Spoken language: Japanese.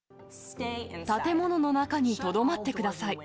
建物の中にとどまってください。